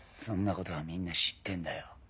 そんなことはみんな知ってんだよ。